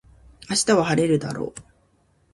明日は晴れるだろう